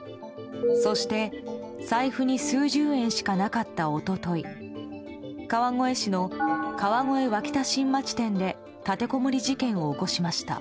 そして、財布に数十円しかなかった一昨日川越市の川越脇田新町店で立てこもり事件を起こしました。